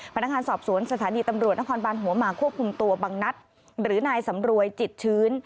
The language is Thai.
พนักงานสอบสวนสถานีตำรวจนครบานหัวหมากควบคุมตัวบังนัดหรือนายสำรวยจิตชื้น